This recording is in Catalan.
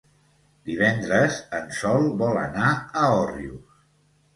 Divendres en Sol vol anar a Òrrius.